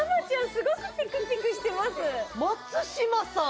すごくピクピクしてます松嶋さん